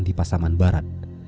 di pasaman barat